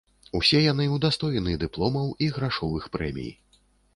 Усе яны ўдастоены дыпломаў і грашовых прэмій.